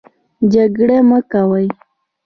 جنګرې مۀ کوئ